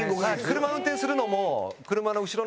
車の運転するのも。